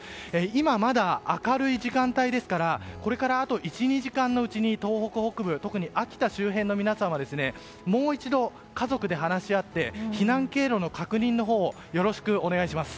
今、まだ明るい時間帯ですからこれからあと１２時間のうちに東北北部特に秋田周辺の皆さんはもう一度、家族で話し合って避難経路の確認のほうをよろしくお願いします。